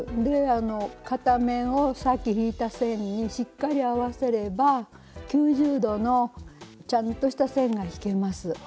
片面をさっき引いた線にしっかり合わせれば９０度のちゃんとした線が引けます。